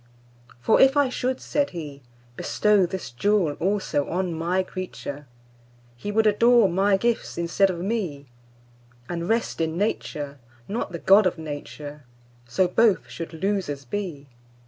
For if I should (said He)Bestow this jewel also on My creature, He would adore My gifts instead of Me, And rest in Nature, not the God of Nature:So both should losers be.